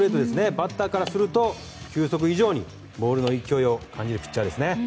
バッターからすると球速以上にボールの勢いを感じるピッチャーですね。